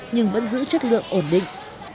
nhưng vẫn giữ chất lượng ổn định